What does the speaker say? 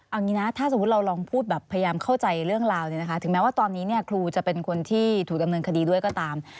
เอางี้นะถ้าสมมุติเราลองพูดแบบพยายามเข้าใจเรื่องราวเนี่ยนะคะถึงแม้ว่าตอนนี้เนี่ยครูจะเป็นคนที่ถูกดำเนินคดีด้วยก็ตาม